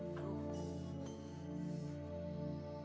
penunjukan terus di desert